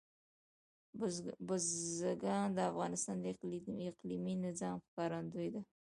بزګان د افغانستان د اقلیمي نظام ښکارندوی ده.